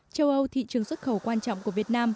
châu âu thị trường xuất khẩu quan trọng của việt nam